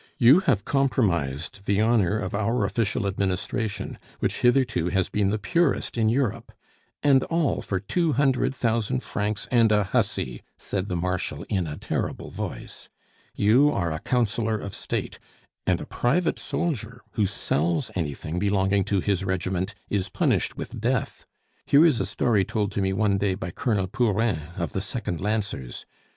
You have compromised the honor of our official administration, which hitherto has been the purest in Europe! And all for two hundred thousand francs and a hussy!" said the Marshal, in a terrible voice. "You are a Councillor of State and a private soldier who sells anything belonging to his regiment is punished with death! Here is a story told to me one day by Colonel Pourin of the Second Lancers.